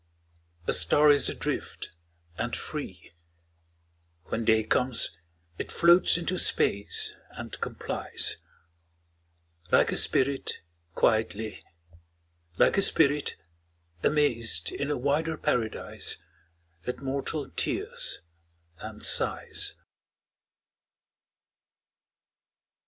A star is adrift and free. When day comes, it floats into space and com plies ; Like a spirit quietly, Like a spirit, amazed in a wider paradise At mortal tears and sighs.